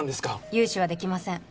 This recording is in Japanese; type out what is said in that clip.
融資はできません